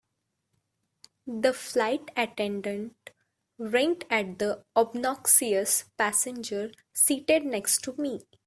The flight attendant winked at the obnoxious passenger seated next to me.